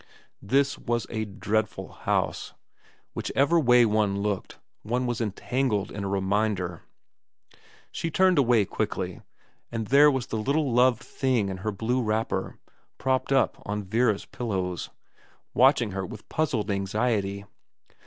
This was a dreadful house. Whichever way one looked one was entangled in a reminder. She turned away quickly, and there was that little loved thing in her blue wrapper, propped up on Vera's pillows, watch ing her with puzzled anxiety.